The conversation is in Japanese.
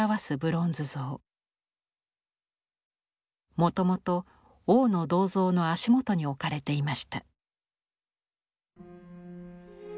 もともと王の銅像の足元に置かれていました。